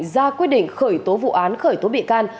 ra quyết định khởi tố vụ án khởi tố bị can